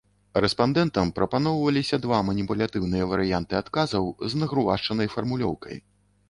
Рэспандэнтам прапаноўвалася два маніпулятыўныя варыянты адказаў з нагрувашчанай фармулёўкай.